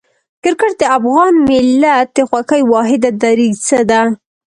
کرکټ د افغان ملت د خوښۍ واحده دریڅه ده.